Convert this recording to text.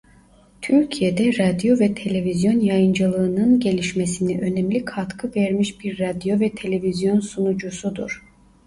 Türkiye'de radyo ve televizyon yayıncılığının gelişmesine önemli katkı vermiş bir radyo ve televizyon sunucusudur.